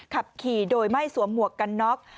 ขับขี่โดยไม่สวมหมวกกันน็อก